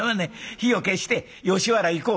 火を消して吉原行こう」。